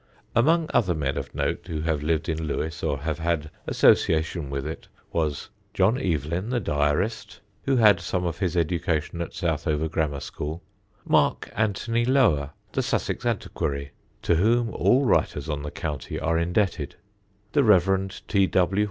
Among other men of note who have lived in Lewes or have had association with it, was John Evelyn the diarist, who had some of his education at Southover grammar school: Mark Antony Lower, the Sussex antiquary, to whom all writers on the county are indebted; the Rev. T. W.